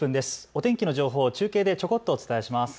お天気の情報を中継でちょこっとお伝えします。